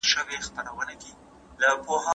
که وخت وي، مړۍ خورم!؟